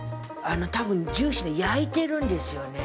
多分ジューシー焼いてるんですよね。